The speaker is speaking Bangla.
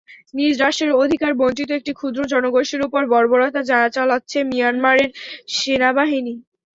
নিজ রাষ্ট্রের অধিকারবঞ্চিত একটি ক্ষুদ্র জনগোষ্ঠীর ওপর বর্বরতা চলাচ্ছে মিয়ানমারের সেনাবাহিনী।